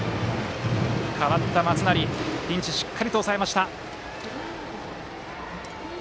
代わった松成ピンチをしっかり抑えました。